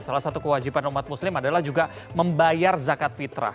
salah satu kewajiban umat muslim adalah juga membayar zakat fitrah